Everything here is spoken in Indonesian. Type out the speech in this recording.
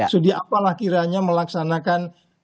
studi apalah kiranya melaksanakan